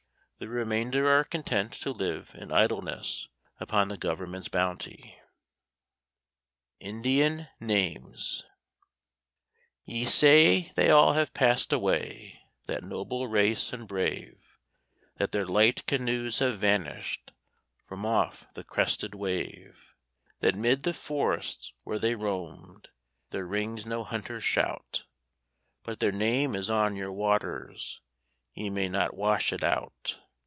The remainder are content to live in idleness upon the government's bounty. INDIAN NAMES Ye say they all have pass'd away, That noble race and brave, That their light canoes have vanish'd From off the crested wave; That, 'mid the forests where they roam'd, There rings no hunter's shout; But their name is on your waters, Ye may not wash it out.